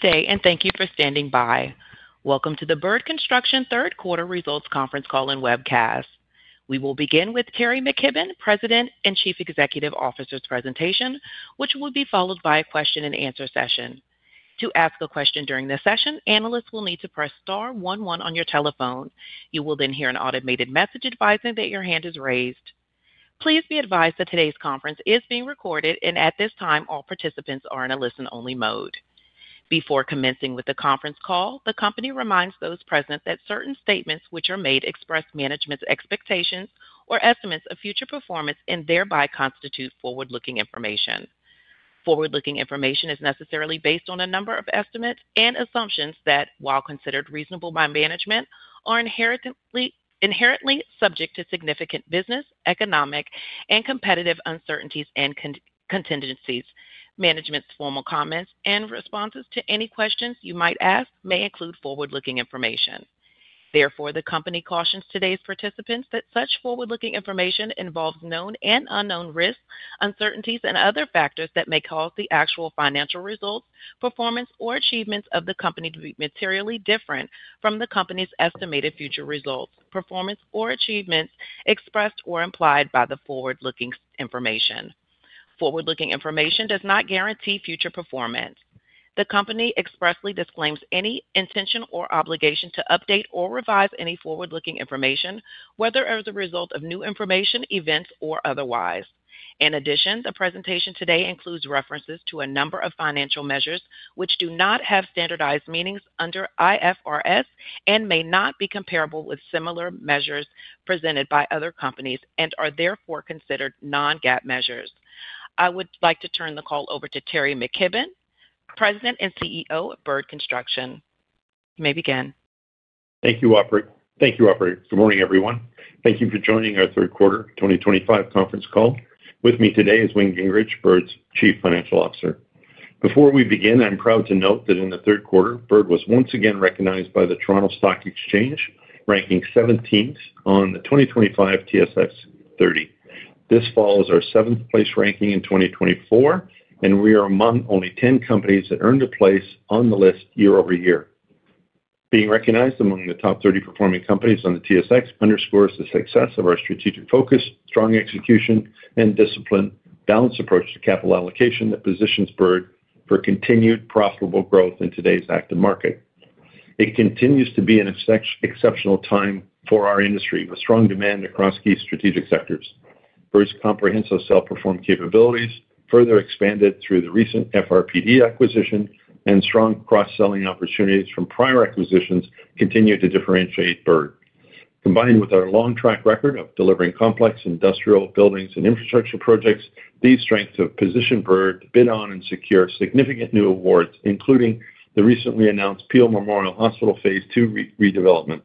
Good day, and thank you for standing by. Welcome to the Bird Construction Third Quarter Results Conference Call and Webcast. We will begin with Terry McKibbon, President and Chief Executive Officer's presentation, which will be followed by a question-and-answer session. To ask a question during this session, analysts will need to press star 11 on your telephone. You will then hear an automated message advising that your hand is raised. Please be advised that today's conference is being recorded, and at this time, all participants are in a listen-only mode. Before commencing with the conference call, the company reminds those present that certain statements which are made express management's expectations or estimates of future performance and thereby constitute forward-looking information. Forward-looking information is necessarily based on a number of estimates and assumptions that, while considered reasonable by management, are inherently subject to significant business, economic, and competitive uncertainties and contingencies. Management's formal comments and responses to any questions you might ask may include forward-looking information. Therefore, the company cautions today's participants that such forward-looking information involves known and unknown risks, uncertainties, and other factors that may cause the actual financial results, performance, or achievements of the company to be materially different from the company's estimated future results, performance, or achievements expressed or implied by the forward-looking information. Forward-looking information does not guarantee future performance. The company expressly disclaims any intention or obligation to update or revise any forward-looking information, whether as a result of new information, events, or otherwise. In addition, the presentation today includes references to a number of financial measures which do not have standardized meanings under IFRS and may not be comparable with similar measures presented by other companies and are therefore considered non-GAAP measures. I would like to turn the call over to Terry McKibbon, President and CEO of Bird Construction. You may begin. Thank you, Offer. Good morning, everyone. Thank you for joining our third quarter 2025 conference call. With me today is Wayne Gingrich, Bird's Chief Financial Officer. Before we begin, I'm proud to note that in the third quarter, Bird was once again recognized by the Toronto Stock Exchange, ranking 17th on the 2025 TSX 30. This follows our seventh place ranking in 2024, and we are among only 10 companies that earned a place on the list year-over-year. Being recognized among the top 30 performing companies on the TSX underscores the success of our strategic focus, strong execution, and disciplined, balanced approach to capital allocation that positions Bird for continued profitable growth in today's active market. It continues to be an exceptional time for our industry with strong demand across key strategic sectors. Bird's comprehensive self-performed capabilities, further expanded through the recent FRPD acquisition and strong cross-selling opportunities from prior acquisitions, continue to differentiate Bird. Combined with our long track record of delivering complex industrial buildings and infrastructure projects, these strengths have positioned Bird to bid on and secure significant new awards, including the recently announced Peel Memorial Hospital Phase II redevelopment.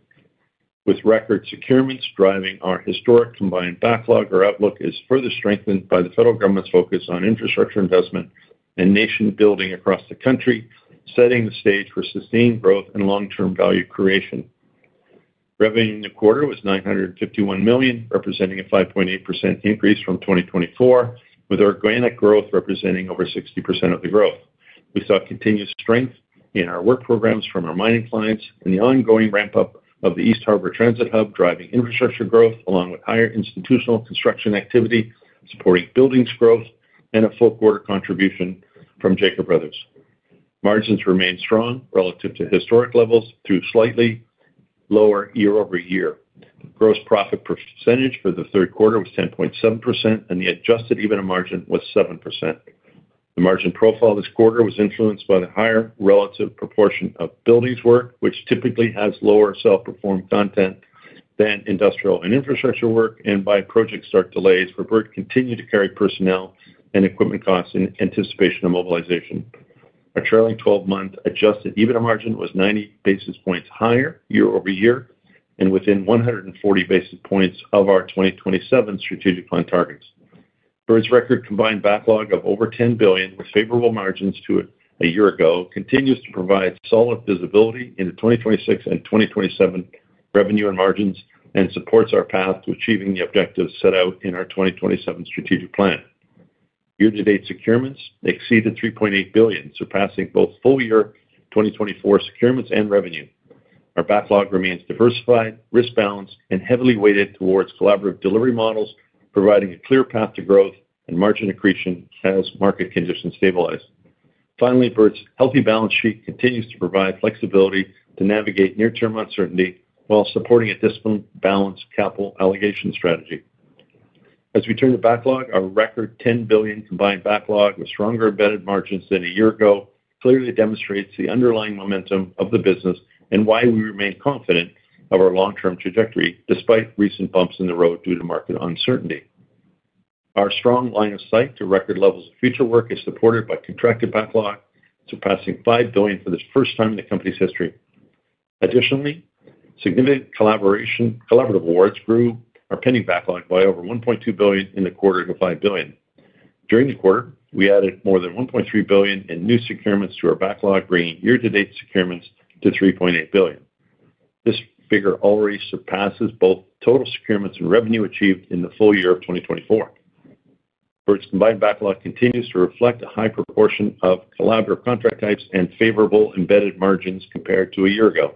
With record securements driving our historic combined backlog, our outlook is further strengthened by the federal government's focus on infrastructure investment and nation-building across the country, setting the stage for sustained growth and long-term value creation. Revenue in the quarter was 951 million, representing a 5.8% increase from 2024, with organic growth representing over 60% of the growth. We saw continued strength in our work programs from our mining clients and the ongoing ramp-up of the East Harbor Transit Hub, driving infrastructure growth along with higher institutional construction activity, supporting buildings growth, and a full quarter contribution from Jacob Brothers. Margins remain strong relative to historic levels, though slightly lower year-over-year. Gross profit percentage for the third quarter was 10.7%, and the adjusted EBITDA margin was 7%. The margin profile this quarter was influenced by the higher relative proportion of buildings work, which typically has lower self-performed content than industrial and infrastructure work, and by project start delays for Bird, which continued to carry personnel and equipment costs in anticipation of mobilization. Our trailing 12-month adjusted EBITDA margin was 90 basis points higher year-over-year and within 140 basis points of our 2027 strategic plan targets. Bird's record combined backlog of over 10 billion with favorable margins to a year ago continues to provide solid visibility into 2026 and 2027 revenue and margins and supports our path to achieving the objectives set out in our 2027 strategic plan. Year-to-date securements exceeded 3.8 billion, surpassing both full-year 2024 securements and revenue. Our backlog remains diversified, risk-balanced, and heavily weighted towards collaborative delivery models, providing a clear path to growth and margin accretion as market conditions stabilize. Finally, Bird's healthy balance sheet continues to provide flexibility to navigate near-term uncertainty while supporting a discipline-balanced capital allocation strategy. As we turn to backlog, our record 10 billion combined backlog with stronger embedded margins than a year ago clearly demonstrates the underlying momentum of the business and why we remain confident of our long-term trajectory despite recent bumps in the road due to market uncertainty. Our strong line of sight to record levels of future work is supported by contracted backlog, surpassing 5 billion for the first time in the company's history. Additionally, significant collaborative awards grew our pending backlog by over 1.2 billion in the quarter to 5 billion. During the quarter, we added more than 1.3 billion in new securements to our backlog, bringing year-to-date securements to 3.8 billion. This figure already surpasses both total securements and revenue achieved in the full year of 2024. Bird's combined backlog continues to reflect a high proportion of collaborative contract types and favorable embedded margins compared to a year ago.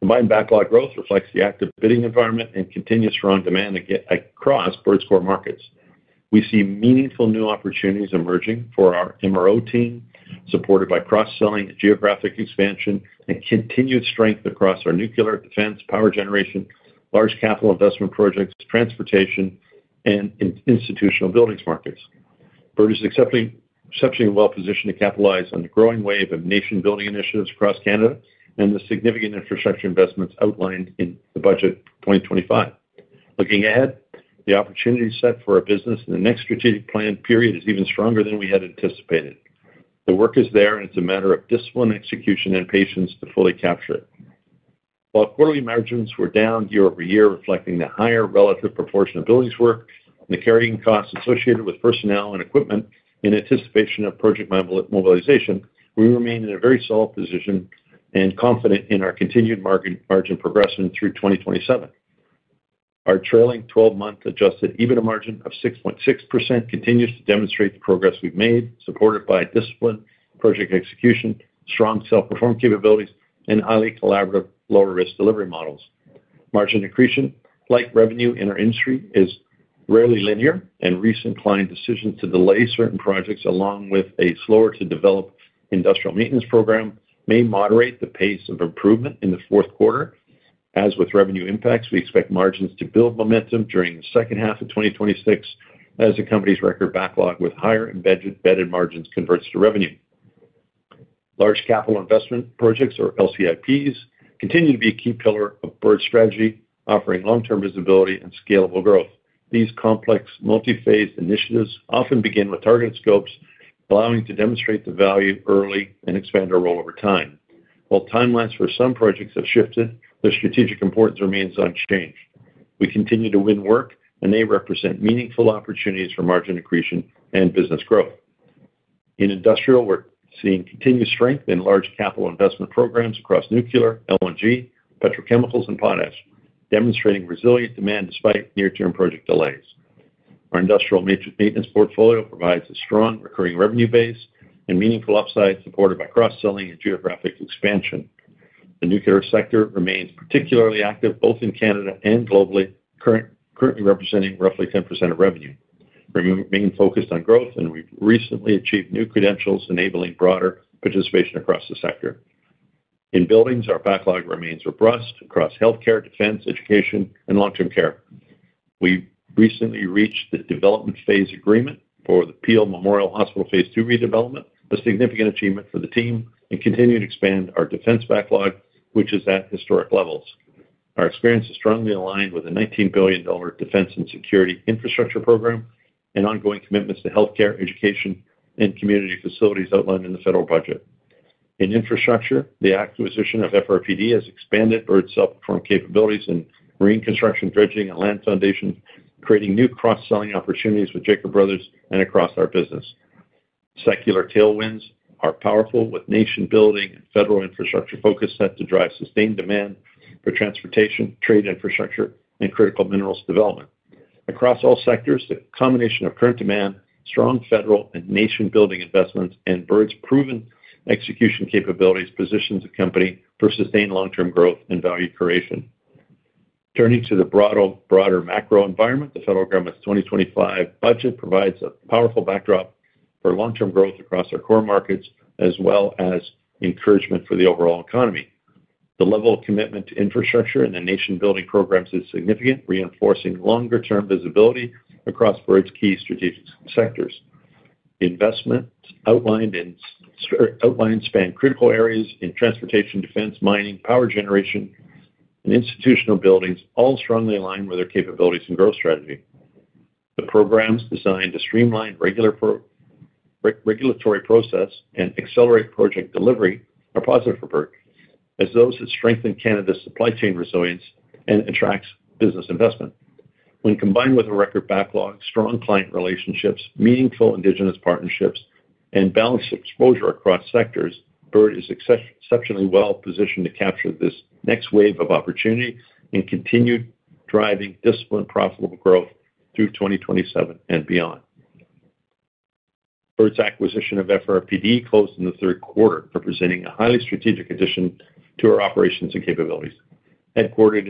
Combined backlog growth reflects the active bidding environment and continuous strong demand across Bird's core markets. We see meaningful new opportunities emerging for our MRO team, supported by cross-selling, geographic expansion, and continued strength across our nuclear, defense, power generation, large capital investment projects, transportation, and institutional buildings markets. Bird is exceptionally well positioned to capitalize on the growing wave of nation-building initiatives across Canada and the significant infrastructure investments outlined in the budget 2025. Looking ahead, the opportunity set for our business in the next strategic plan period is even stronger than we had anticipated. The work is there, and it's a matter of discipline, execution, and patience to fully capture it. While quarterly margins were down year-over-year, reflecting the higher relative proportion of buildings work and the carrying costs associated with personnel and equipment in anticipation of project mobilization, we remain in a very solid position and confident in our continued margin progression through 2027. Our trailing 12-month adjusted EBITDA margin of 6.6% continues to demonstrate the progress we've made, supported by discipline, project execution, strong self-performed capabilities, and highly collaborative low-risk delivery models. Margin accretion, like revenue in our industry, is rarely linear, and recent client decisions to delay certain projects along with a slower-to-develop industrial maintenance program may moderate the pace of improvement in the fourth quarter. As with revenue impacts, we expect margins to build momentum during the second half of 2026 as the company's record backlog with higher embedded margins converts to revenue. Large Capital Investment Projects, or LCIPs, continue to be a key pillar of Bird's strategy, offering long-term visibility and scalable growth. These complex, multi-phased initiatives often begin with targeted scopes, allowing us to demonstrate the value early and expand our role over time. While timelines for some projects have shifted, their strategic importance remains unchanged. We continue to win work and they represent meaningful opportunities for margin accretion and business growth. In industrial, we're seeing continued strength in large capital investment programs across nuclear, LNG, petrochemicals, and potash, demonstrating resilient demand despite near-term project delays. Our industrial maintenance portfolio provides a strong recurring revenue base and meaningful upside supported by cross-selling and geographic expansion. The nuclear sector remains particularly active both in Canada and globally, currently representing roughly 10% of revenue. We remain focused on growth, and we've recently achieved new credentials enabling broader participation across the sector. In buildings, our backlog remains robust across healthcare, defense, education, and long-term care. We recently reached the development phase agreement for the Peel Memorial Hospital Phase II redevelopment, a significant achievement for the team, and continue to expand our defense backlog, which is at historic levels. Our experience is strongly aligned with the 19 billion dollar defense and security infrastructure program and ongoing commitments to healthcare, education, and community facilities outlined in the federal budget. In infrastructure, the acquisition of Fraser River Pile & Dredge has expanded Bird's self-performed capabilities in marine construction, dredging, and land foundations, creating new cross-selling opportunities with Jacob Brothers and across our business. Secular tailwinds are powerful, with nation-building and federal infrastructure focus set to drive sustained demand for transportation, trade infrastructure, and critical minerals development. Across all sectors, the combination of current demand, strong federal and nation-building investments, and Bird's proven execution capabilities positions the company for sustained long-term growth and value creation. Turning to the broader macro environment, the federal government's 2025 budget provides a powerful backdrop for long-term growth across our core markets as well as encouragement for the overall economy. The level of commitment to infrastructure and the nation-building programs is significant, reinforcing longer-term visibility across Bird's key strategic sectors. Investments outlined span critical areas in transportation, defense, mining, power generation, and institutional buildings, all strongly aligned with our capabilities and growth strategy. The programs designed to streamline regulatory process and accelerate project delivery are positive for Bird, as those that strengthen Canada's supply chain resilience and attract business investment. When combined with a record backlog, strong client relationships, meaningful Indigenous partnerships, and balanced exposure across sectors, Bird is exceptionally well positioned to capture this next wave of opportunity and continue driving disciplined, profitable growth through 2027 and beyond. Bird's acquisition of Fraser River Pile & Dredge closed in the third quarter, representing a highly strategic addition to our operations and capabilities. Columbia, Fraser River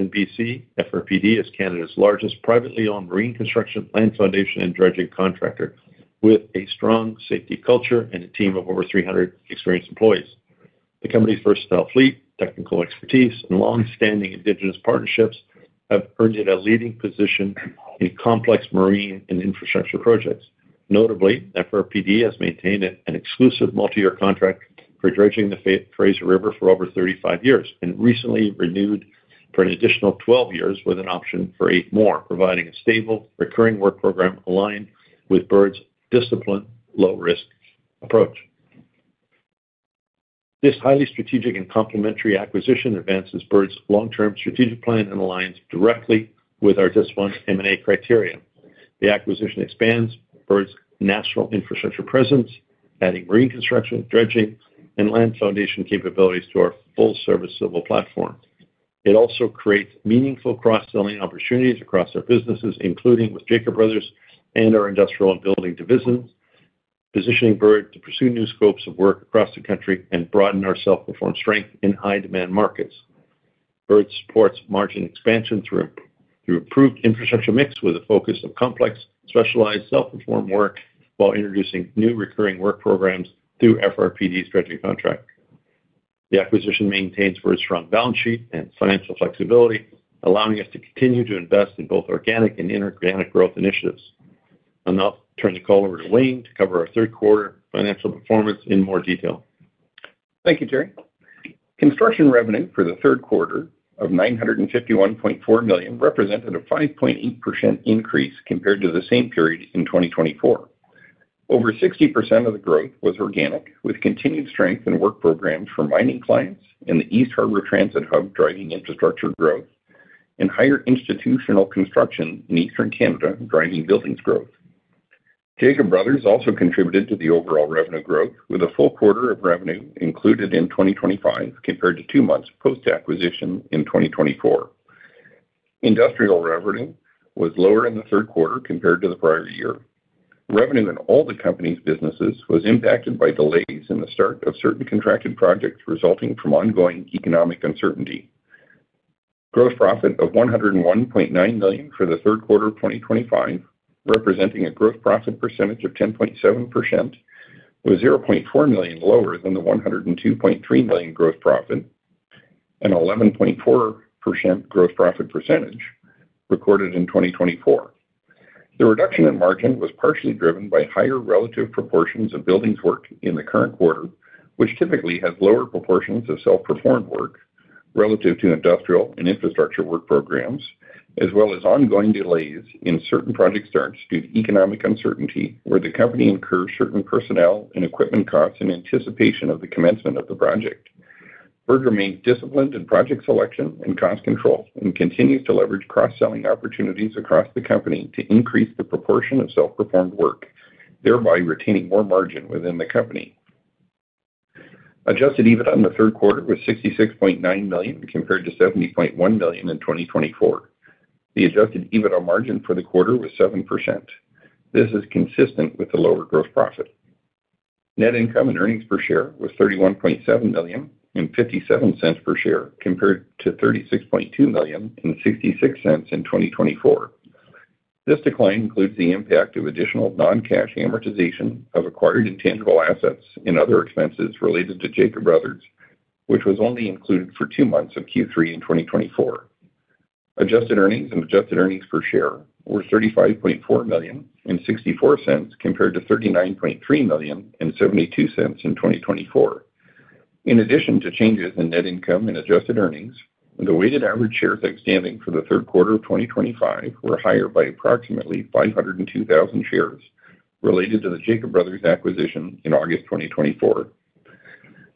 Pile & Dredge is Canada's largest privately owned marine construction, land foundation, and dredging contractor with a strong safety culture and a team of over 300 experienced employees. The company's versatile fleet, technical expertise, and long-standing Indigenous partnerships have earned it a leading position in complex marine and infrastructure projects. Notably, Fraser River Pile & Dredge has maintained an exclusive multi-year contract for dredging the Fraser River for over 35 years and recently renewed for an additional 12 years with an option for eight more, providing a stable, recurring work program aligned with Bird's disciplined, low-risk approach. This highly strategic and complementary acquisition advances Bird's long-term strategic plan and aligns directly with our disciplined M&A criteria. The acquisition expands Bird's national infrastructure presence, adding marine construction, dredging, and land foundation capabilities to our full-service civil platform. It also creates meaningful cross-selling opportunities across our businesses, including with Jacob Brothers and our industrial and building divisions, positioning Bird to pursue new scopes of work across the country and broaden our self-performed strength in high-demand markets. Bird supports margin expansion through improved infrastructure mix with a focus on complex, specialized, self-performed work while introducing new recurring work programs through FRPD's dredging contract. The acquisition maintains Bird's strong balance sheet and financial flexibility, allowing us to continue to invest in both organic and inorganic growth initiatives. I'll now turn the call over to Wayne to cover our third quarter financial performance in more detail. Thank you, Terry. Construction revenue for the third quarter of 951.4 million represented a 5.8% increase compared to the same period in 2024. Over 60% of the growth was organic, with continued strength in work programs for mining clients and the East Harbor Transit Hub driving infrastructure growth, and higher institutional construction in eastern Canada driving buildings growth. Jacob Brothers also contributed to the overall revenue growth, with a full quarter of revenue included in 2025 compared to two months post-acquisition in 2024. Industrial revenue was lower in the third quarter compared to the prior year. Revenue in all the company's businesses was impacted by delays in the start of certain contracted projects resulting from ongoing economic uncertainty. Gross profit of 101.9 million for the third quarter of 2025, representing a gross profit percentage of 10.7%, was 0.4 million lower than the 102.3 million gross profit and 11.4% gross profit percentage recorded in 2024. The reduction in margin was partially driven by higher relative proportions of buildings work in the current quarter, which typically has lower proportions of self-performed work relative to industrial and infrastructure work programs, as well as ongoing delays in certain project starts due to economic uncertainty where the company incurs certain personnel and equipment costs in anticipation of the commencement of the project. Bird remained disciplined in project selection and cost control and continues to leverage cross-selling opportunities across the company to increase the proportion of self-performed work, thereby retaining more margin within the company. Adjusted EBITDA in the third quarter was 66.9 million compared to 70.1 million in 2024. The adjusted EBITDA margin for the quarter was 7%. This is consistent with the lower gross profit. Net income and earnings per share was 31.7 million and 0.57 per share compared to 36.2 million and 0.66 in 2024. This decline includes the impact of additional non-cash amortization of acquired intangible assets and other expenses related to Jacob Brothers, which was only included for two months of Q3 in 2024. Adjusted earnings and adjusted earnings per share were 35.4 million and 0.64 compared to 39.3 million and 0.72 in 2024. In addition to changes in net income and adjusted earnings, the weighted average shares outstanding for the third quarter of 2025 were higher by approximately 502,000 shares related to the Jacob Brothers acquisition in August 2024.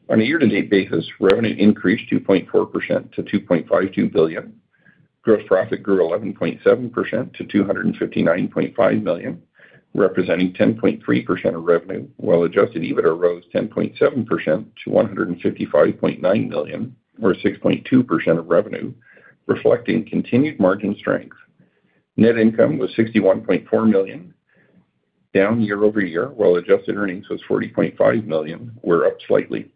On a year-to-date basis, revenue increased 2.4% to 2.52 billion. Gross profit grew 11.7% to 259.5 million, representing 10.3% of revenue, while adjusted EBITDA rose 10.7% to 155.9 million, or 6.2% of revenue, reflecting continued margin strength. Net income was 61.4 million, down year-over-year, while adjusted earnings was 40.5 million, where up slightly.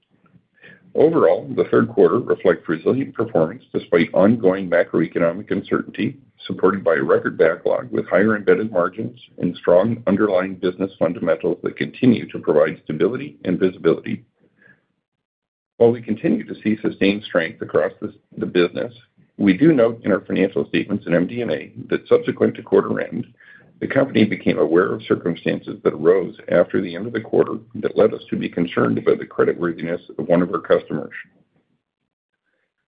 Overall, the third quarter reflects resilient performance despite ongoing macroeconomic uncertainty, supported by a record backlog with higher embedded margins and strong underlying business fundamentals that continue to provide stability and visibility. While we continue to see sustained strength across the business, we do note in our financial statements and MDMA that subsequent to quarter end, the company became aware of circumstances that arose after the end of the quarter that led us to be concerned about the creditworthiness of one of our customers.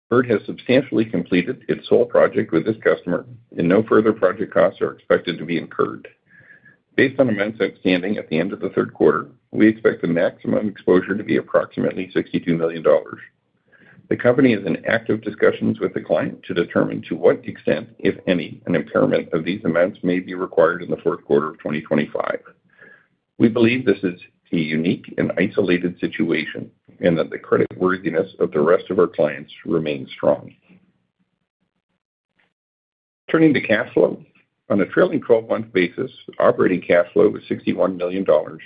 Bird has substantially completed its sole project with this customer, and no further project costs are expected to be incurred. Based on amounts outstanding at the end of the third quarter, we expect the maximum exposure to be approximately 62 million dollars. The company is in active discussions with the client to determine to what extent, if any, an impairment of these amounts may be required in the fourth quarter of 2025. We believe this is a unique and isolated situation and that the creditworthiness of the rest of our clients remains strong. Turning to cash flow, on a trailing 12-month basis, operating cash flow was 61 million dollars,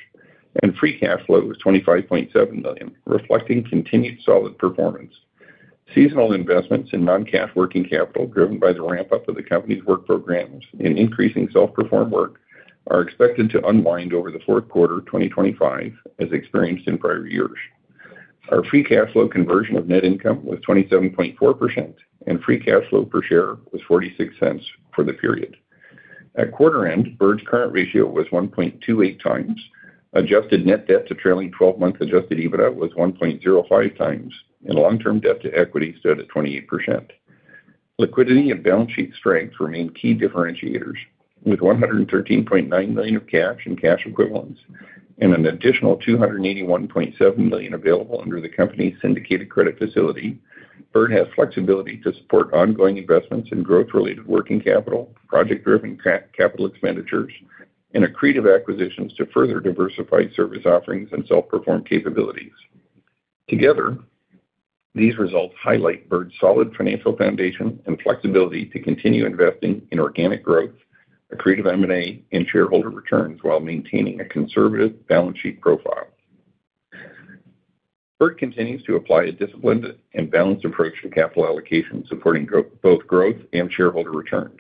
and free cash flow was 25.7 million, reflecting continued solid performance. Seasonal investments in non-cash working capital driven by the ramp-up of the company's work programs and increasing self-performed work are expected to unwind over the fourth quarter of 2025, as experienced in prior years. Our free cash flow conversion of net income was 27.4%, and free cash flow per share was 0.46 for the period. At quarter end, Bird's current ratio was 1.28 times. Adjusted net debt to trailing 12-month adjusted EBITDA was 1.05 times, and long-term debt to equity stood at 28%. Liquidity and balance sheet strength remain key differentiators. With 113.9 million of cash and cash equivalents and an additional 281.7 million available under the company's syndicated credit facility, Bird has flexibility to support ongoing investments in growth-related working capital, project-driven capital expenditures, and accretive acquisitions to further diversify service offerings and self-performed capabilities. Together, these results highlight Bird's solid financial foundation and flexibility to continue investing in organic growth, accretive M&A, and shareholder returns while maintaining a conservative balance sheet profile. Bird continues to apply a disciplined and balanced approach to capital allocation, supporting both growth and shareholder returns.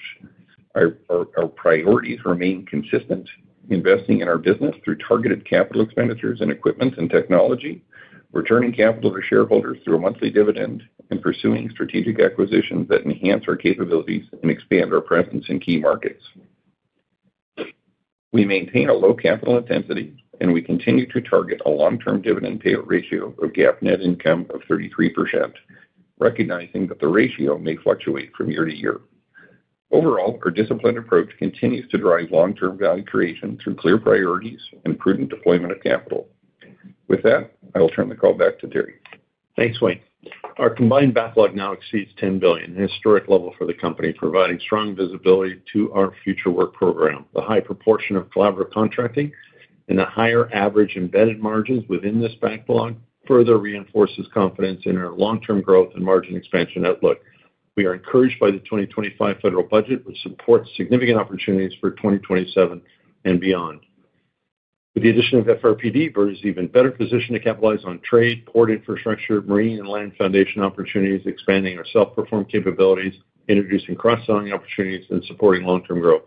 Our priorities remain consistent: investing in our business through targeted capital expenditures in equipment and technology, returning capital to shareholders through a monthly dividend, and pursuing strategic acquisitions that enhance our capabilities and expand our presence in key markets. We maintain a low capital intensity, and we continue to target a long-term dividend payout ratio of GAAP net income of 33%, recognizing that the ratio may fluctuate from year-to-year. Overall, our disciplined approach continues to drive long-term value creation through clear priorities and prudent deployment of capital. With that, I'll turn the call back to Terry. Thanks, Wayne. Our combined backlog now exceeds 10 billion, a historic level for the company, providing strong visibility to our future work program. The high proportion of collaborative contracting and the higher average embedded margins within this backlog further reinforces confidence in our long-term growth and margin expansion outlook. We are encouraged by the 2025 federal budget, which supports significant opportunities for 2027 and beyond. With the addition of FRPD, Bird is even better positioned to capitalize on trade, port infrastructure, marine and land foundation opportunities, expanding our self-performed capabilities, introducing cross-selling opportunities, and supporting long-term growth.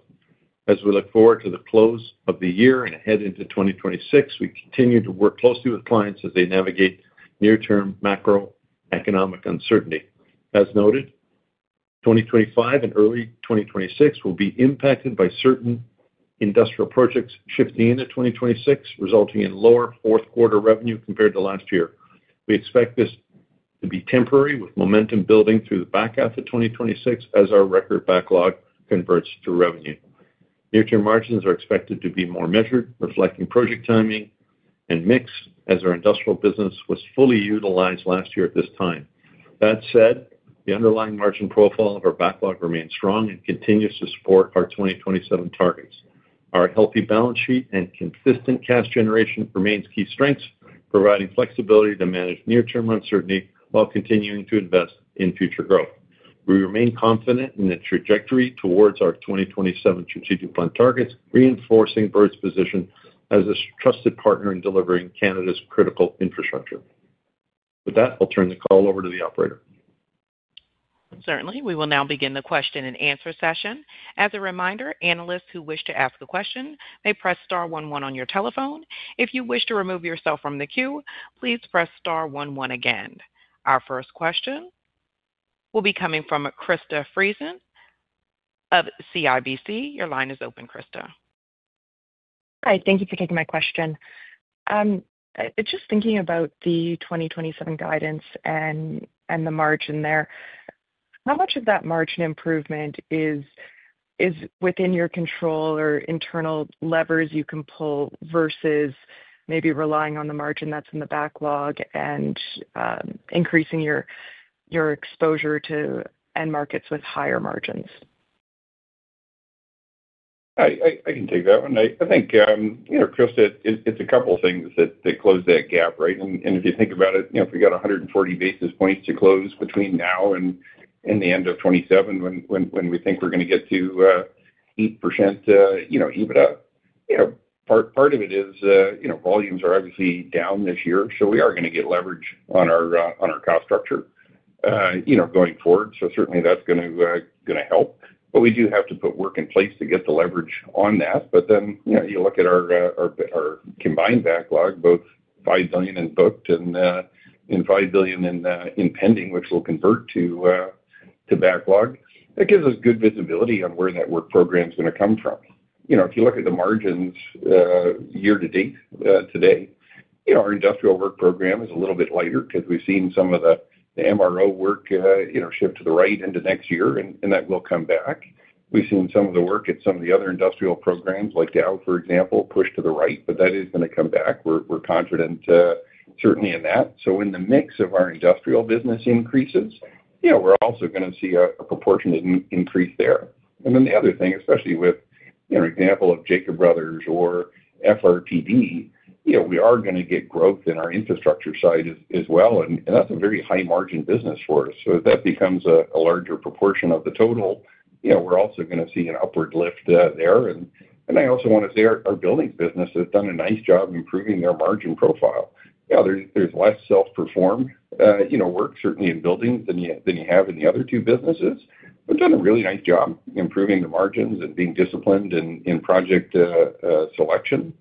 As we look forward to the close of the year and ahead into 2026, we continue to work closely with clients as they navigate near-term macroeconomic uncertainty. As noted, 2025 and early 2026 will be impacted by certain industrial projects shifting into 2026, resulting in lower fourth quarter revenue compared to last year. We expect this to be temporary, with momentum building through the back half of 2026 as our record backlog converts to revenue. Near-term margins are expected to be more measured, reflecting project timing and mix, as our industrial business was fully utilized last year at this time. That said, the underlying margin profile of our backlog remains strong and continues to support our 2027 targets. Our healthy balance sheet and consistent cash generation remain key strengths, providing flexibility to manage near-term uncertainty while continuing to invest in future growth. We remain confident in the trajectory towards our 2027 strategic plan targets, reinforcing Bird's position as a trusted partner in delivering Canada's critical infrastructure. With that, I'll turn the call over to the operator. Certainly, we will now begin the question and answer session. As a reminder, analysts who wish to ask a question may press star 11 on your telephone. If you wish to remove yourself from the queue, please press star 11 again. Our first question will be coming from Christa Friesen of CIBC. Your line is open, Christa. Hi, thank you for taking my question. Just thinking about the 2027 guidance and the margin there, how much of that margin improvement is within your control or internal levers you can pull versus maybe relying on the margin that's in the backlog and increasing your exposure to end markets with higher margins? I can take that one. I think, Christa, it's a couple of things that close that gap, right? If you think about it, if we got 140 basis points to close between now and the end of 2027, when we think we're going to get to 8% EBITDA, part of it is volumes are obviously down this year, so we are going to get leverage on our cost structure going forward. Certainly, that's going to help. We do have to put work in place to get the leverage on that. You look at our combined backlog, both 5 billion in booked and 5 billion in pending, which we will convert to backlog. That gives us good visibility on where that work program is going to come from. If you look at the margins year to date today, our industrial work program is a little bit lighter because we have seen some of the MRO work shift to the right into next year, and that will come back. We have seen some of the work at some of the other industrial programs, like Dow, for example, push to the right, but that is going to come back. We are confident, certainly, in that. In the mix of our industrial business increases, we are also going to see a proportionate increase there. The other thing, especially with an example of Jacob Brothers or FRPD, we are going to get growth in our infrastructure side as well, and that is a very high-margin business for us. If that becomes a larger proportion of the total, we are also going to see an upward lift there. I also want to say our buildings business has done a nice job improving their margin profile. There is less self-performed work, certainly in buildings, than you have in the other two businesses, but done a really nice job improving the margins and being disciplined in project selection.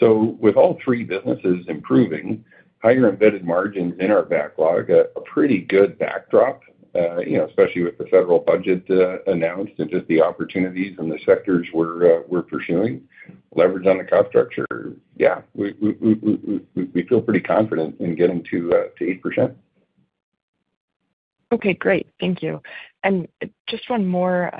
With all three businesses improving, higher embedded margins in our backlog, a pretty good backdrop, especially with the federal budget announced and just the opportunities and the sectors we are pursuing, leverage on the cost structure, yeah, we feel pretty confident in getting to 8%. Okay, great. Thank you. Just one more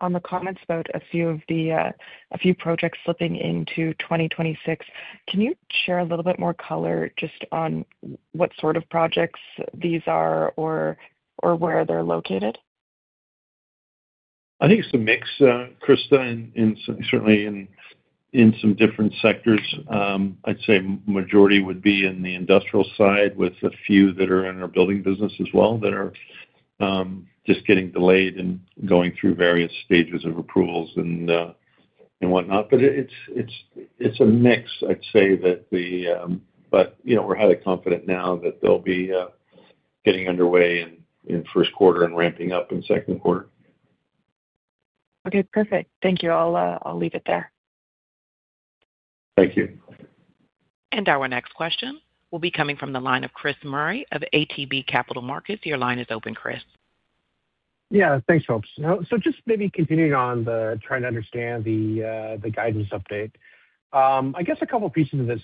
on the comments about a few projects slipping into 2026. Can you share a little bit more color just on what sort of projects these are or where they're located? I think it's a mix, Christa, and certainly in some different sectors. I'd say the majority would be in the industrial side, with a few that are in our building business as well that are just getting delayed and going through various stages of approvals and whatnot. It's a mix, I'd say, but we're highly confident now that they'll be getting underway in first quarter and ramping up in second quarter. Okay, perfect. Thank you. I'll leave it there. Thank you. Our next question will be coming from the line of Chris Murray of ATB Capital Markets. Your line is open, Chris. Yeah, thanks, folks. Just maybe continuing on the trying to understand the guidance update. I guess a couple of pieces of this.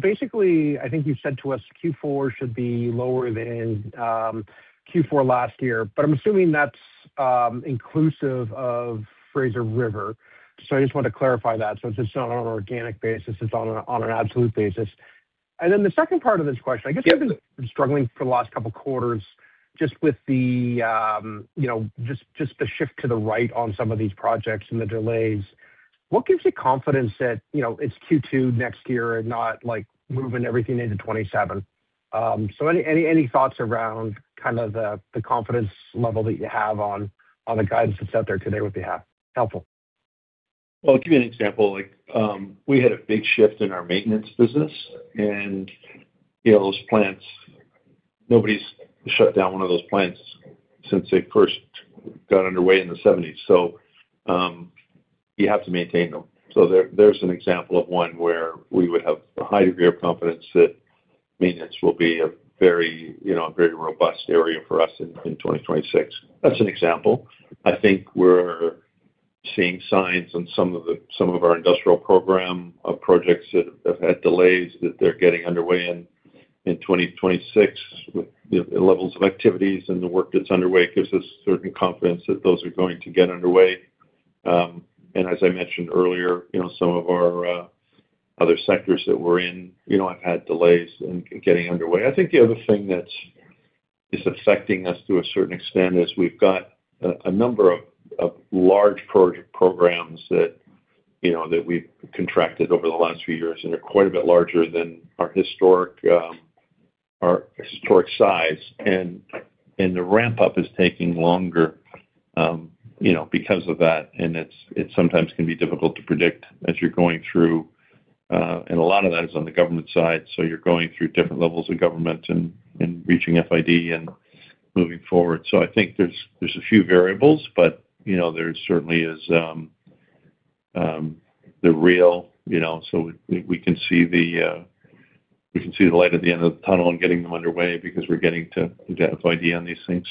Basically, I think you said to us Q4 should be lower than Q4 last year, but I'm assuming that's inclusive of Fraser River. I just want to clarify that. Is it just on an organic basis? Is it on an absolute basis? The second part of this question, I guess we've been struggling for the last couple of quarters just with the shift to the right on some of these projects and the delays. What gives you confidence that it's Q2 next year and not moving everything into 2027? Any thoughts around the confidence level that you have on the guidance that's out there today would be helpful. Give me an example. We had a big shift in our maintenance business, and those plants, nobody's shut down one of those plants since they first got underway in the 1970s. You have to maintain them. There is an example of one where we would have a high degree of confidence that maintenance will be a very robust area for us in 2026. That is an example. I think we're seeing signs on some of our industrial program projects that have had delays that they're getting underway in 2026. The levels of activities and the work that's underway gives us certain confidence that those are going to get underway. As I mentioned earlier, some of our other sectors that we're in have had delays in getting underway. I think the other thing that's affecting us to a certain extent is we've got a number of large programs that we've contracted over the last few years, and they're quite a bit larger than our historic size. The ramp-up is taking longer because of that, and it sometimes can be difficult to predict as you're going through. A lot of that is on the government side, so you're going through different levels of government and reaching FID and moving forward. I think there's a few variables, but there certainly is the real. We can see the light at the end of the tunnel and getting them underway because we're getting to identify the end of these things.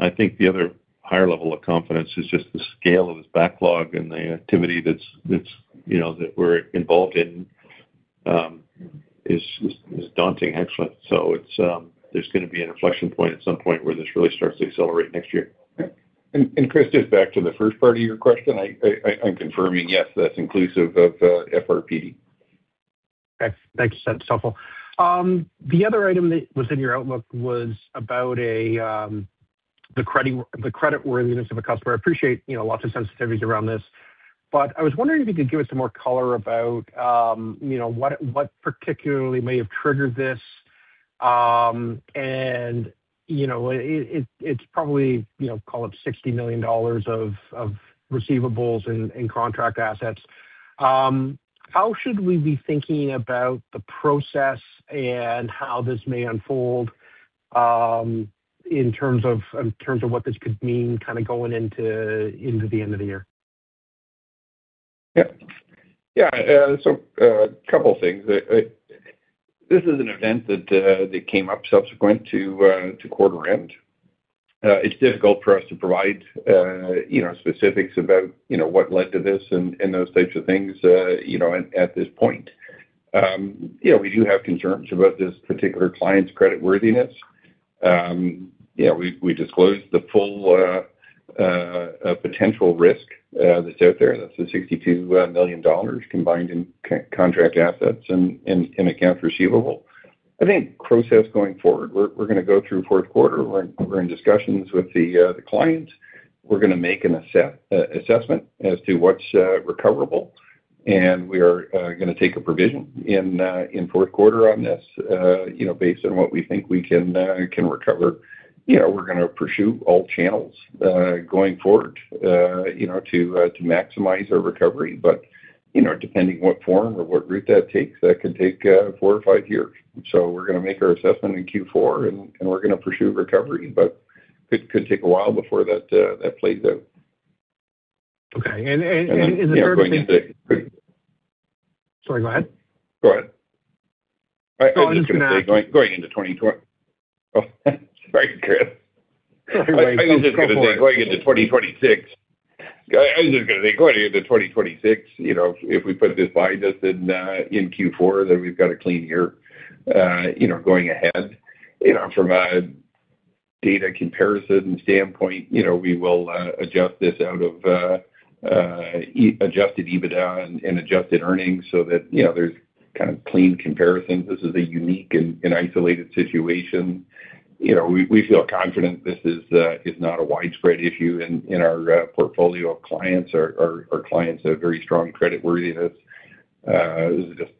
I think the other higher level of confidence is just the scale of this backlog and the activity that we're involved in is daunting, actually. There is going to be an inflection point at some point where this really starts to accelerate next year. Chris, just back to the first part of your question, I'm confirming, yes, that's inclusive of FRPD. Thanks. That's helpful. The other item that was in your outlook was about the creditworthiness of a customer. I appreciate lots of sensitivities around this, but I was wondering if you could give us some more color about what particularly may have triggered this. It is probably, call it 60 million dollars of receivables and contract assets. How should we be thinking about the process and how this may unfold in terms of what this could mean kind of going into the end of the year? Yeah. Yeah. A couple of things. This is an event that came up subsequent to quarter end. It's difficult for us to provide specifics about what led to this and those types of things at this point. We do have concerns about this particular client's creditworthiness. We disclosed the full potential risk that's out there. That's the 62 million dollars combined in contract assets and accounts receivable. I think process going forward, we're going to go through fourth quarter. We're in discussions with the client. We're going to make an assessment as to what's recoverable, and we are going to take a provision in fourth quarter on this based on what we think we can recover. We're going to pursue all channels going forward to maximize our recovery. Depending on what form or what route that takes, that could take four or five years. We're going to make our assessment in Q4, and we're going to pursue recovery, but it could take a while before that plays out. Okay. In the third phase— Sorry, go ahead. Go ahead. I was just going to ask— Going into 2020. Sorry, Chris. I was just going to say going into 2026. I was just going to say going into 2026, if we put this by just in Q4, then we've got a clean year going ahead. From a data comparison standpoint, we will adjust this out of adjusted EBITDA and adjusted earnings so that there's kind of clean comparisons. This is a unique and isolated situation. We feel confident this is not a widespread issue in our portfolio of clients. Our clients have very strong creditworthiness. This is just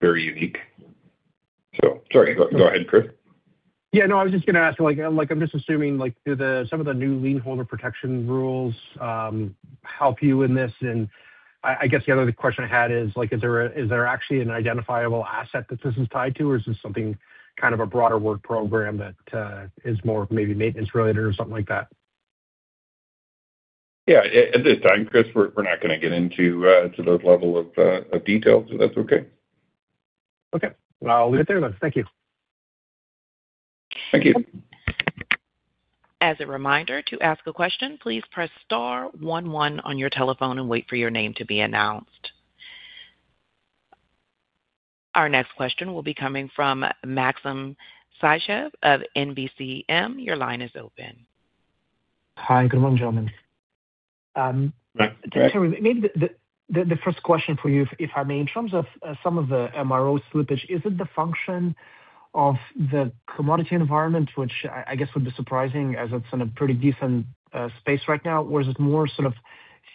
very unique. Sorry, go ahead, Chris. Yeah. No, I was just going to ask, I'm just assuming some of the new lienholder protection rules help you in this. And I guess the other question I had is, is there actually an identifiable asset that this is tied to, or is this something kind of a broader work program that is more maybe maintenance-related or something like that? Yeah. At this time, Chris, we're not going to get into those levels of detail, so that's okay. Okay. I'll leave it there then. Thank you. Thank you. As a reminder, to ask a question, please press star 11 on your telephone and wait for your name to be announced. Our next question will be coming from Maxim Sytchev of National Bank Financial. Your line is open. Hi. Good morning, gentlemen. Maybe the first question for you, if I may, in terms of some of the MRO slippage, is it the function of the commodity environment, which I guess would be surprising as it is in a pretty decent space right now, or is it more sort of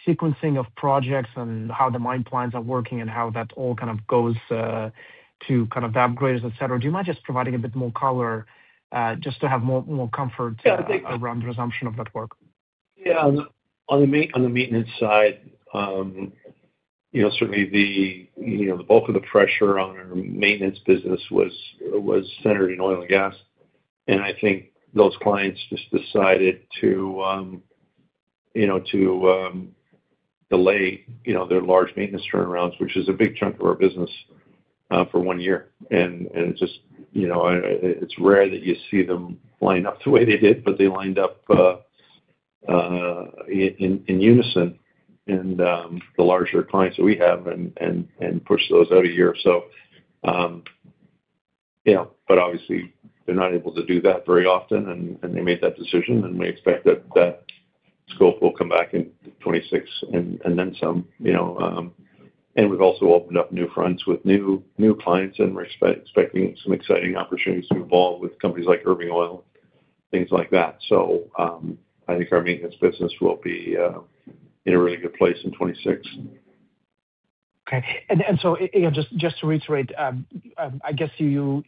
sequencing of projects and how the mine plans are working and how that all kind of goes to kind of the upgrades, etc.? Do you mind just providing a bit more color just to have more comfort around the resumption of that work? Yeah. On the maintenance side, certainly the bulk of the pressure on our maintenance business was centered in oil and gas. I think those clients just decided to delay their large maintenance turnarounds, which is a big chunk of our business, for one year. It is rare that you see them line up the way they did, but they lined up in unison and the larger clients that we have pushed those out a year. Obviously, they are not able to do that very often, and they made that decision, and we expect that scope will come back in 2026 and then some. We have also opened up new fronts with new clients and we are expecting some exciting opportunities to evolve with companies like Irving Oil, things like that. I think our maintenance business will be in a really good place in 2026. Okay. Just to reiterate, I guess you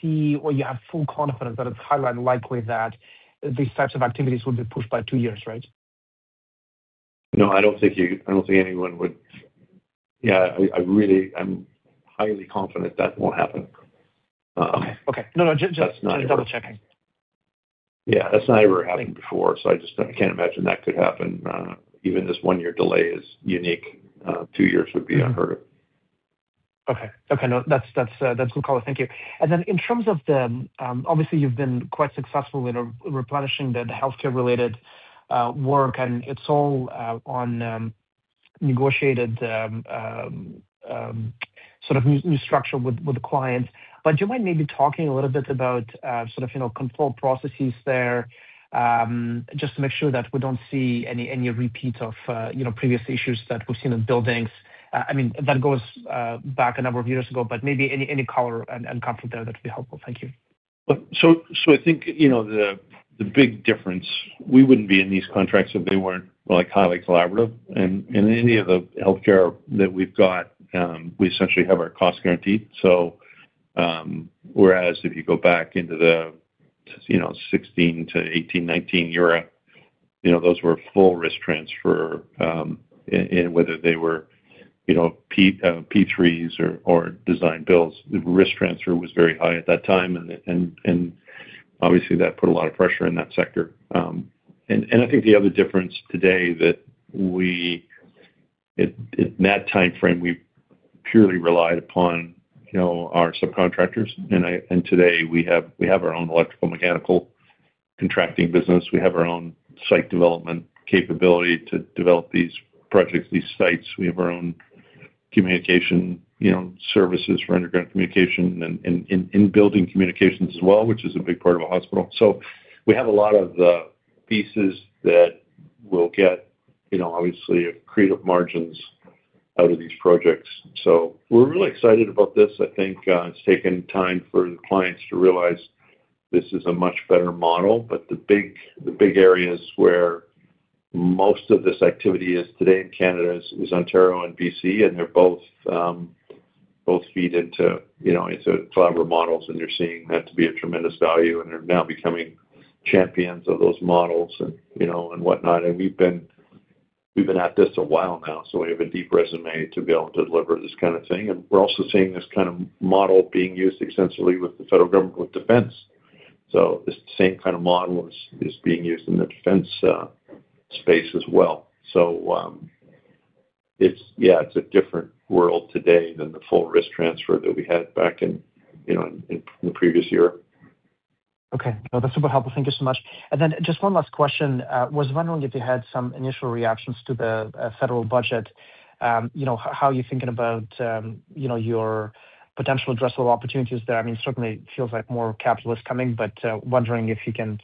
see or you have full confidence that it is highly unlikely that these types of activities will be pushed by two years, right? No, I do not think anyone would. Yeah, I am highly confident that will not happen. Okay. Okay. No, no. Just double-checking. Yeah. That's not ever happened before, so I can't imagine that could happen. Even this one-year delay is unique. Two years would be unheard of. Okay. Okay. That's good color. Thank you. In terms of the obviously, you've been quite successful in replenishing the healthcare-related work, and it's all on negotiated sort of new structure with the clients. Do you mind maybe talking a little bit about sort of control processes there just to make sure that we don't see any repeat of previous issues that we've seen in buildings? I mean, that goes back a number of years ago, but maybe any color and comfort there that would be helpful. Thank you. I think the big difference, we wouldn't be in these contracts if they weren't highly collaborative. In any of the healthcare that we've got, we essentially have our cost guaranteed. Whereas if you go back into the 2016 to 2018, 2019 era, those were full risk transfer whether they were P3s or design builds. The risk transfer was very high at that time, and obviously, that put a lot of pressure in that sector. I think the other difference today is that in that timeframe, we purely relied upon our subcontractors. Today, we have our own electrical mechanical contracting business. We have our own site development capability to develop these projects, these sites. We have our own communication services for underground communication and in-building communications as well, which is a big part of a hospital. We have a lot of pieces that will get obviously creative margins out of these projects. We are really excited about this. I think it has taken time for the clients to realize this is a much better model. The big areas where most of this activity is today in Canada are Ontario and BC, and they both feed into collaborative models, and they're seeing that to be a tremendous value, and they're now becoming champions of those models and whatnot. We've been at this a while now, so we have a deep resume to be able to deliver this kind of thing. We're also seeing this kind of model being used extensively with the federal government with defense. This same kind of model is being used in the defense space as well. Yeah, it's a different world today than the full risk transfer that we had back in the previous year. Okay. No, that's super helpful. Thank you so much. And then just one last question. I was wondering if you had some initial reactions to the federal budget, how you're thinking about your potential addressable opportunities there. I mean, certainly, it feels like more capital is coming, but wondering if you can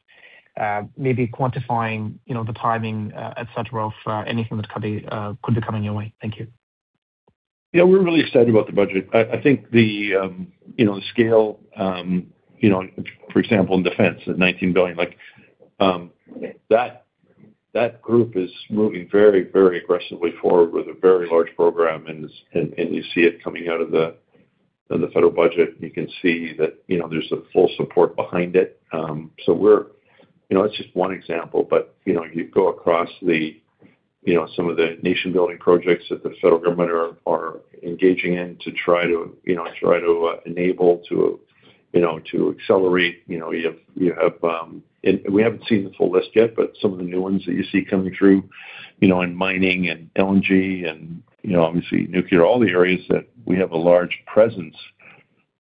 maybe quantify the timing, etc., of anything that could be coming your way. Thank you. Yeah. We're really excited about the budget. I think the scale, for example, in defense, the 19 billion, that group is moving very, very aggressively forward with a very large program, and you see it coming out of the federal budget. You can see that there's a full support behind it. That is just one example, but you go across some of the nation-building projects that the federal government are engaging in to try to enable, to accelerate. We have not seen the full list yet, but some of the new ones that you see coming through in mining and LNG and obviously nuclear, all the areas that we have a large presence,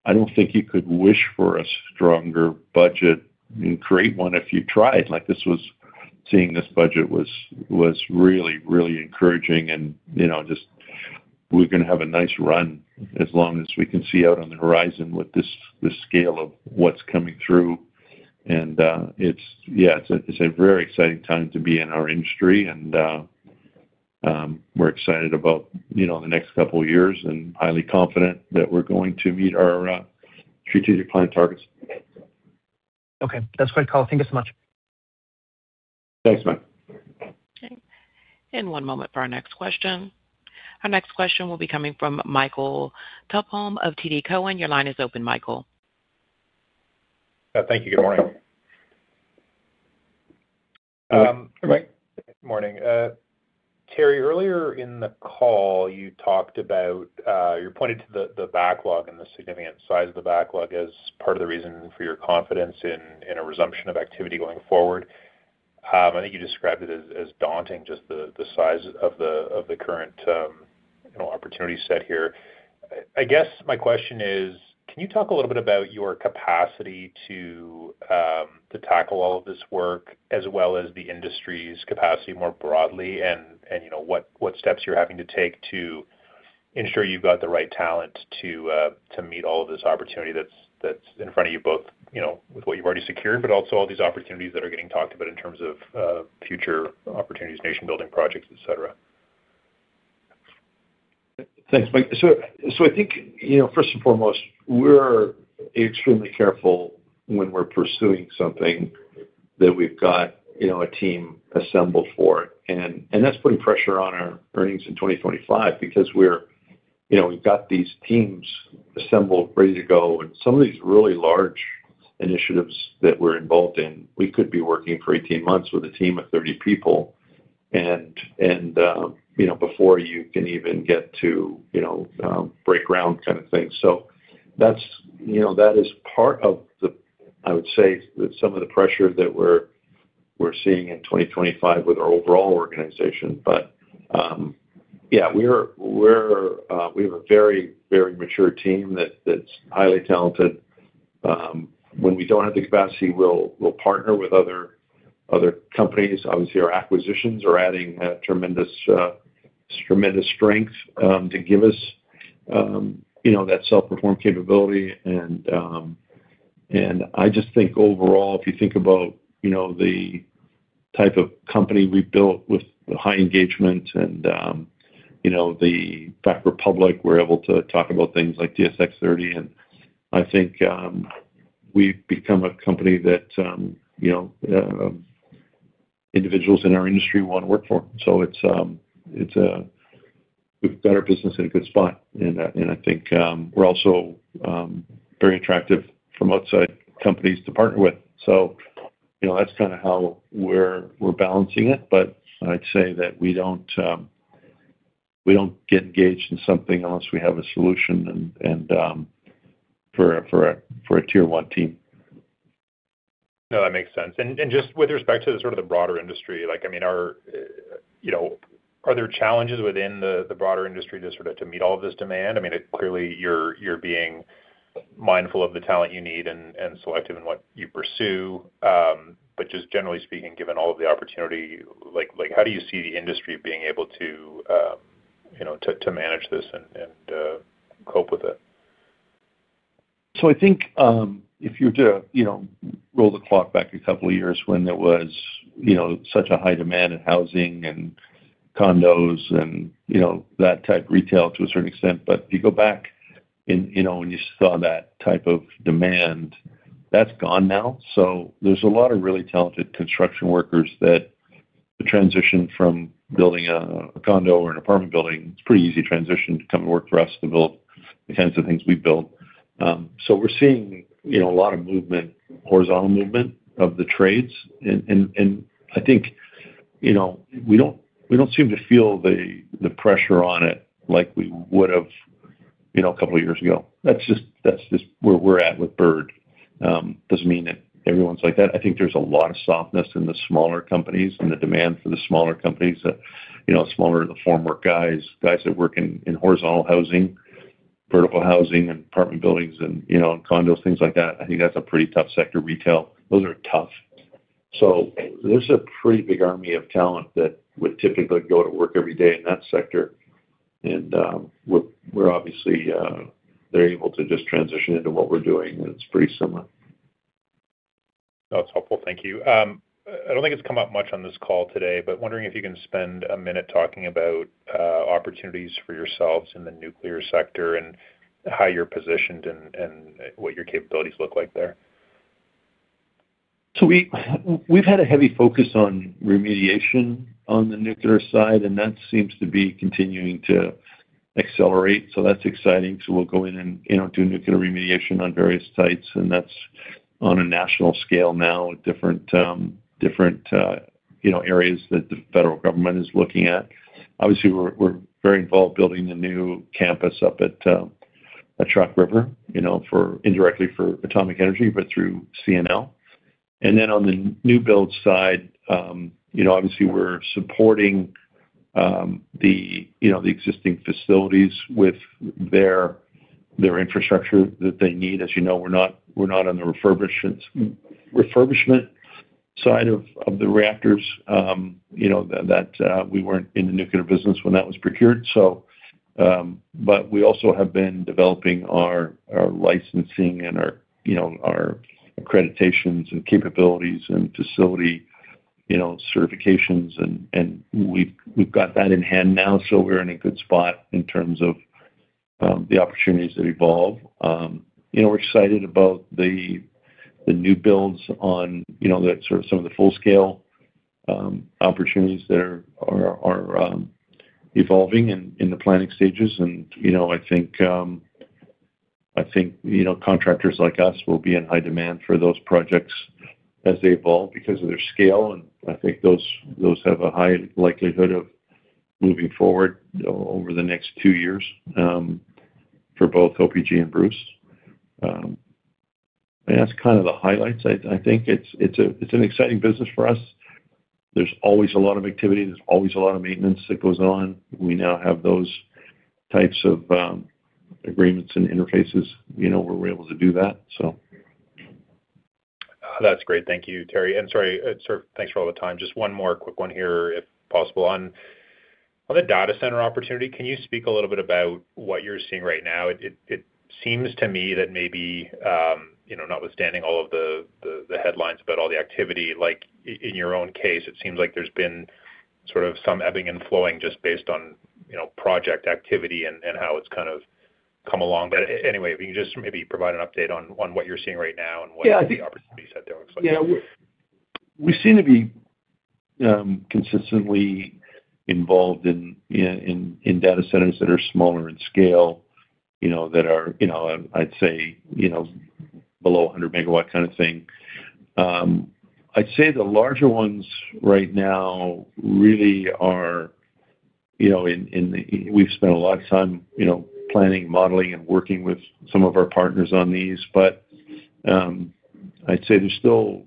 I do not think you could wish for a stronger budget and create one if you tried. Seeing this budget was really, really encouraging, and just we are going to have a nice run as long as we can see out on the horizon with the scale of what is coming through. Yeah, it is a very exciting time to be in our industry, and we are excited about the next couple of years and highly confident that we are going to meet our strategic plan targets. Okay. That is great color. Thank you so much. Thanks, Matt. Okay. One moment for our next question. Our next question will be coming from Michael Tupholme of TD Cowen. Your line is open, Michael. Thank you. Good morning. Good morning. Terry, earlier in the call, you talked about, you pointed to the backlog and the significant size of the backlog as part of the reason for your confidence in a resumption of activity going forward. I think you described it as daunting, just the size of the current opportunity set here. I guess my question is, can you talk a little bit about your capacity to tackle all of this work as well as the industry's capacity more broadly and what steps you're having to take to ensure you've got the right talent to meet all of this opportunity that's in front of you, both with what you've already secured, but also all these opportunities that are getting talked about in terms of future opportunities, nation-building projects, etc.? Thanks. I think, first and foremost, we're extremely careful when we're pursuing something that we've got a team assembled for. That's putting pressure on our earnings in 2025 because we've got these teams assembled, ready to go. Some of these really large initiatives that we're involved in, we could be working for 18 months with a team of 30 people before you can even get to break ground kind of thing. That is part of the, I would say, some of the pressure that we're seeing in 2025 with our overall organization. Yeah, we have a very, very mature team that's highly talented. When we don't have the capacity, we'll partner with other companies. Obviously, our acquisitions are adding tremendous strength to give us that self-perform capability. I just think overall, if you think about the type of company we built with the high engagement and the fact we're public, we're able to talk about things like DSX30. I think we've become a company that individuals in our industry want to work for. We've got our business in a good spot. I think we're also very attractive from outside companies to partner with. That's kind of how we're balancing it. I'd say that we don't get engaged in something unless we have a solution for a tier-one team. No, that makes sense. Just with respect to sort of the broader industry, I mean, are there challenges within the broader industry to sort of meet all of this demand? I mean, clearly, you're being mindful of the talent you need and selective in what you pursue. Just generally speaking, given all of the opportunity, how do you see the industry being able to manage this and cope with it? I think if you were to roll the clock back a couple of years when there was such a high demand in housing and condos and that type of retail to a certain extent. If you go back and you saw that type of demand, that's gone now. There's a lot of really talented construction workers that the transition from building a condo or an apartment building, it's a pretty easy transition to come and work for us to build the kinds of things we build. We're seeing a lot of movement, horizontal movement of the trades. I think we don't seem to feel the pressure on it like we would have a couple of years ago. That's just where we're at with Bird. It doesn't mean that everyone's like that. I think there's a lot of softness in the smaller companies and the demand for the smaller companies, smaller former guys, guys that work in horizontal housing, vertical housing, and apartment buildings and condos, things like that. I think that's a pretty tough sector, retail. Those are tough. There is a pretty big army of talent that would typically go to work every day in that sector. We're obviously able to just transition into what we're doing, and it's pretty similar. That's helpful. Thank you. I don't think it's come up much on this call today, but wondering if you can spend a minute talking about opportunities for yourselves in the nuclear sector and how you're positioned and what your capabilities look like there. We've had a heavy focus on remediation on the nuclear side, and that seems to be continuing to accelerate. That's exciting. We'll go in and do nuclear remediation on various sites, and that's on a national scale now with different areas that the federal government is looking at. Obviously, we're very involved building a new campus up at Chalk River indirectly for Atomic Energy of Canada Limited, but through C&L. On the new build side, obviously, we're supporting the existing facilities with their infrastructure that they need. As you know, we're not on the refurbishment side of the reactors because we weren't in the nuclear business when that was procured. We also have been developing our licensing and our accreditations and capabilities and facility certifications, and we've got that in hand now. We're in a good spot in terms of the opportunities that evolve. We're excited about the new builds on sort of some of the full-scale opportunities that are evolving in the planning stages. I think contractors like us will be in high demand for those projects as they evolve because of their scale. I think those have a high likelihood of moving forward over the next two years for both OPG and Bruce. That's kind of the highlights. I think it's an exciting business for us. There's always a lot of activity. There's always a lot of maintenance that goes on. We now have those types of agreements and interfaces where we're able to do that, so. That's great. Thank you, Terry. Sorry, thanks for all the time. Just one more quick one here, if possible. On the data center opportunity, can you speak a little bit about what you're seeing right now? It seems to me that maybe notwithstanding all of the headlines about all the activity, in your own case, it seems like there's been sort of some ebbing and flowing just based on project activity and how it's kind of come along. If you can just maybe provide an update on what you're seeing right now and what the opportunity set there looks like. Yeah. We seem to be consistently involved in data centers that are smaller in scale that are, I'd say, below 100 megawatt kind of thing. I'd say the larger ones right now really are in the we've spent a lot of time planning, modeling, and working with some of our partners on these. I'd say there's still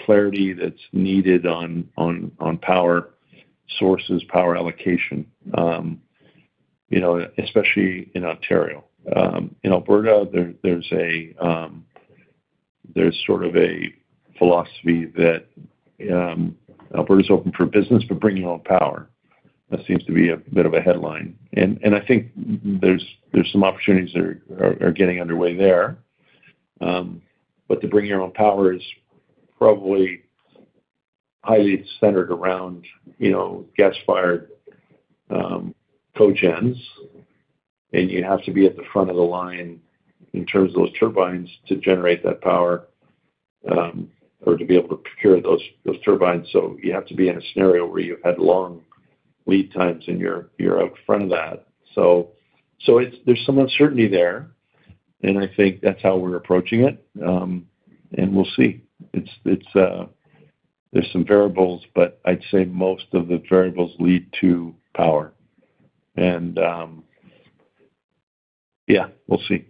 clarity that's needed on power sources, power allocation, especially in Ontario. In Alberta, there's sort of a philosophy that Alberta is open for business, but bring your own power. That seems to be a bit of a headline. I think there's some opportunities that are getting underway there. To bring your own power is probably highly centered around gas-fired cogens, and you have to be at the front of the line in terms of those turbines to generate that power or to be able to procure those turbines. You have to be in a scenario where you've had long lead times and you're out front of that. There's some uncertainty there, and I think that's how we're approaching it. We'll see. There's some variables, but I'd say most of the variables lead to power. Yeah, we'll see.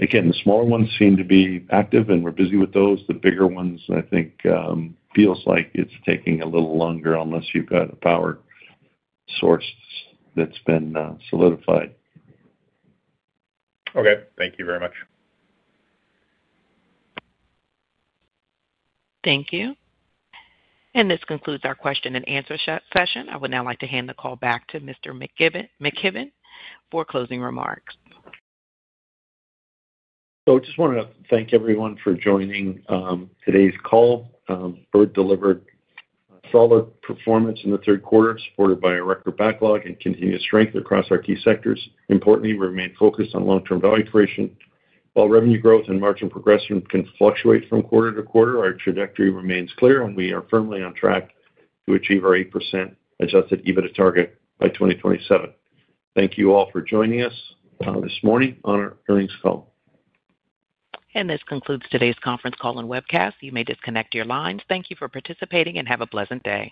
Again, the smaller ones seem to be active, and we're busy with those. The bigger ones, I think, feels like it's taking a little longer unless you've got a power source that's been solidified. Okay. Thank you very much. Thank you. This concludes our question and answer session. I would now like to hand the call back to Mr. McKibbon for closing remarks. I just wanted to thank everyone for joining today's call. Bird delivered solid performance in the third quarter supported by a record backlog and continued strength across our key sectors. Importantly, we remain focused on long-term value creation. While revenue growth and margin progression can fluctuate from quarter to quarter, our trajectory remains clear, and we are firmly on track to achieve our 8% adjusted EBITDA target by 2027. Thank you all for joining us this morning on our earnings call. This concludes today's conference call and webcast. You may disconnect your lines. Thank you for participating and have a pleasant day.